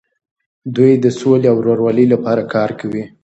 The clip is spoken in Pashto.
دوی د سولې او ورورولۍ لپاره کار کوي.